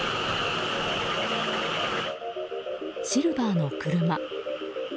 シルバーの車。